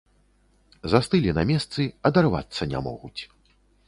Застылі на месцы, адарвацца не могуць.